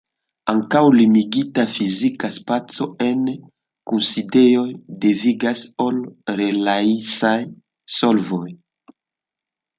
Ankaŭ limigita fizika spaco en kunsidejoj devigas al relajsaj solvoj.